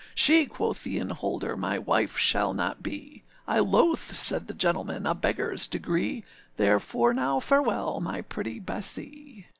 â âShe,â quoth the innholder, âmy wife shall not be.â âI loathe,â said the gentleman, âa beggarâs degree, Therefore, now farewell, my pretty Bessee.